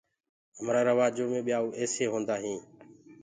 همرآ روآجو مي ٻيائوُ ايسي هوندآ هينٚ